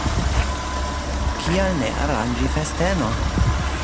Kial ne aranĝi festenon?